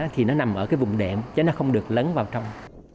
thì nó nằm ở cái vùng đệm chứ nó không được lấn vào trong